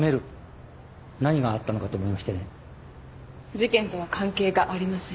事件とは関係がありません。